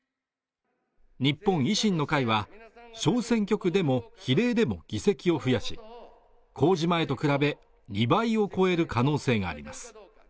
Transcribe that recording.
日本維新の会は小選挙区でも比例でも議席を増やし公示前と比べ２倍を超える可能性があります